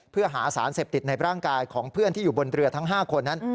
เพื่อหาสารเสพติดในร่างกายของเพื่อนที่อยู่บนเรือทั้ง๕คนนั้น